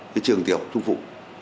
cái trường tiểu trung phụ